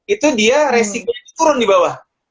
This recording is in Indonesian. itu dia resiko turun dibawah